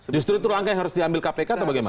justru itu langkah yang harus diambil kpk atau bagaimana